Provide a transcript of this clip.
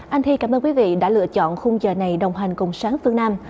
anh thi cảm ơn quý vị đã lựa chọn khung giờ này đồng hành cùng sáng phương nam